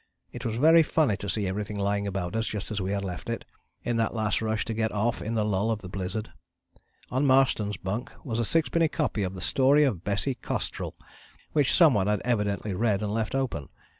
It was very funny to see everything lying about just as we had left it, in that last rush to get off in the lull of the blizzard. On Marston's bunk was a sixpenny copy of the Story of Bessie Costrell, which some one had evidently read and left open.